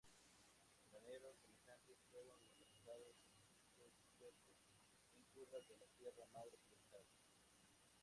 Graneros semejantes fueron localizados en sitios dispersos en cuevas de la Sierra Madre Occidental.